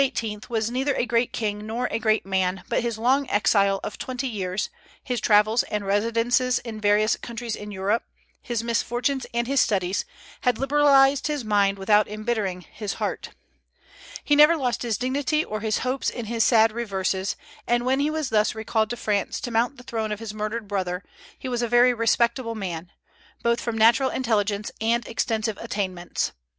was neither a great king nor a great man; but his long exile of twenty years, his travels and residences in various countries in Europe, his misfortunes and his studies, had liberalized his mind without embittering his heart. He never lost his dignity or his hopes in his sad reverses; and when he was thus recalled to France to mount the throne of his murdered brother, he was a very respectable man, both from natural intelligence and extensive attainments.